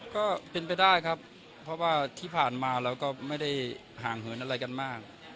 ก็เป็นไปได้ครับเพราะว่าที่ผ่านมาเราก็ไม่ได้ห่างเหินอะไรกันมาก